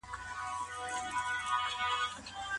انلاين زده کړه د وخت او ځای ستونزې په آسانۍ حلوي.